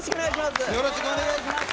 よろしくお願いします。